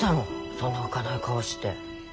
そんな浮かない顔して。